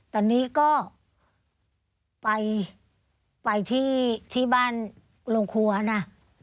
ตอนนี้ก็ไปที่บ้านโรงครัวนะ